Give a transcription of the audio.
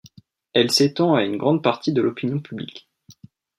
Elle s'étend à une grande partie de l'opinion publique.